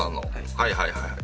はいはいはいはい。